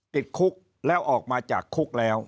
ติดคุกแล้วออกมาจากคุกแล้ว